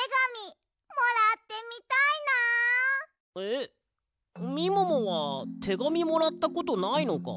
えっみももはてがみもらったことないのか？